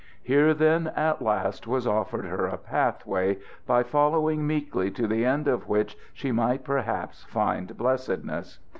Here, then, at last, was offered her a path way by following meekly to the end of which she might perhaps find blessedness.